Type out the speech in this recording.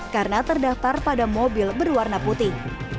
karena terdaftar pada mobil berwarna putih